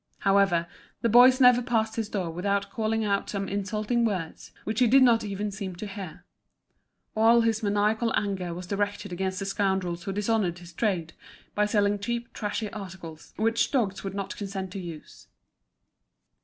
However, the boys never passed his door without calling out some insulting words, which he did not even seem to hear. All his maniacal anger was directed against the scoundrels who dishonoured his trade by selling cheap trashy articles, which dogs would not consent to use.